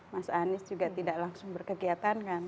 mas anies juga tidak langsung berkegiatan kan